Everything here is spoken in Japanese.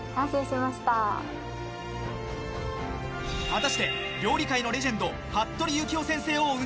果たして料理界のレジェンド。